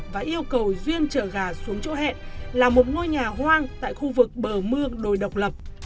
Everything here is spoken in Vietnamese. và yêu cầu duyên trở gà xuống chỗ hẹn là một ngôi nhà hoang tại khu vực bờ mương đồi độc lập